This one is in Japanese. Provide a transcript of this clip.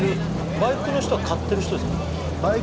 バイクの人が売ってる人です